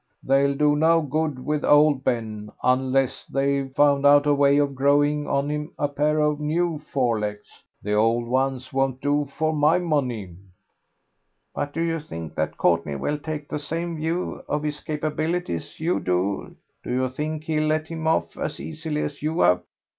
They'll do no good with old Ben, unless they've found out a way of growing on him a pair of new forelegs. The old ones won't do for my money." "But do you think that Courtney will take the same view of his capabilities as you do do you think he'll let him off as easily as you have?"